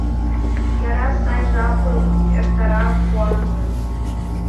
Яра, сай жапым эртара куанлын.